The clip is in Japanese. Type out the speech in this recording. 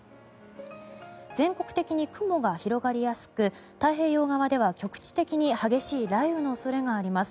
全国的に雲が広がりやすく太平洋側では局地的に激しい雷雨の恐れがあります。